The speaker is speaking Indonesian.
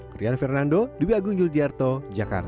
kirihan fernando duby agung yul diarto jakarta